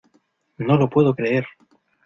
¡No lo puedo creer!